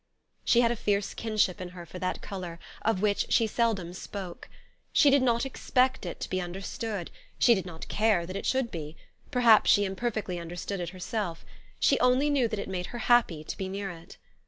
She had a fierce kinship in her for that color, of which she seldom spoke. She did not expect it to be understood ; she did not care that it should be ; per haps she imperfectly understood it herself : she only knew that it made her happy to be near it.